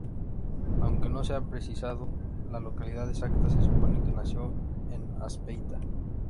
Aunque no se ha precisado la localidad exacta, se supone que nació en Azpeitia.